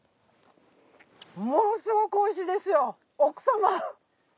ものすごくおいしいですよ奥様。